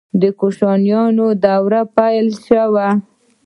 د کوشانشاهانو دوره پیل شوه